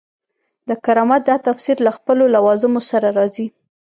د کرامت دا تفسیر له خپلو لوازمو سره راځي.